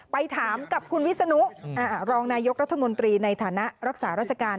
ไปถามกับคุณวิศนุรองนายกรัฐมนตรีในฐานะรักษาราชการ